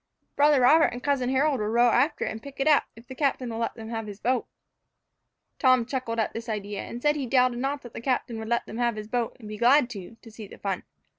"Brother Robert and cousin Harold will row after it and pick it up, if the captain will let them have his boat." Tom chuckled at the idea, and said he doubted not the captain would let them have his boat, and be glad, too, to see the fun.